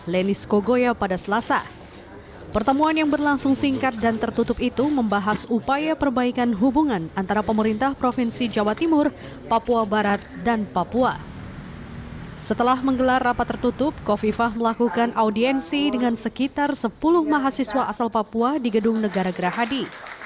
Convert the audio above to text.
lenis berkonsensi dengan sekitar sepuluh mahasiswa asal papua di gedung negara gerah hadi